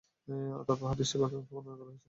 তারপর হাদীসটির বাকি অংশ বর্ননা করা হয়েছে।